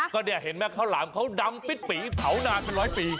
ก็เนี่ยเห็นไหมข้าวหลามเขาดำปิดปีเผานานเป็นร้อยปี